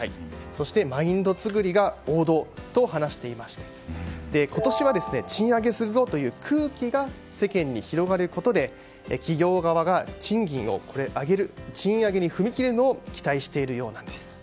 そしてマインド作りが王道と話していまして今年は賃上げするぞという空気が世間に広がることで企業側が、賃金を上げる賃上げに踏み切るのを期待しているようなんです。